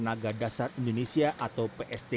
dan juga olimpiade